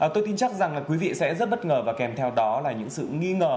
tôi tin chắc rằng là quý vị sẽ rất bất ngờ và kèm theo đó là những sự nghi ngờ